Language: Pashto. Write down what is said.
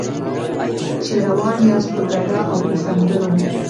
چې روان یاست په ګډا او په سندرو.